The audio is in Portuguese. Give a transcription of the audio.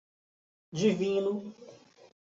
Divino